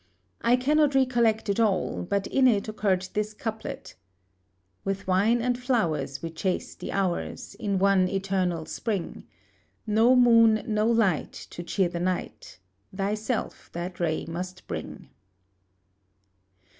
I cannot recollect it all, but in it occurred this couplet: "With wine and flowers we chase the hours, In one eternal spring: No moon, no light, to cheer the night Thyself that ray must bring."